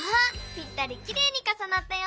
ぴったりきれいにかさなったよ！